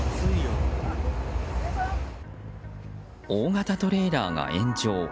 大型トレーラーが炎上。